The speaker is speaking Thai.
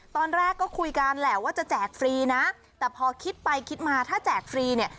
ตอนแรกก็คุยกันแหละว่าจะแจกฟรีนะแต่พอคิดไปคิดมาถ้าแจกฟรีเนี่ย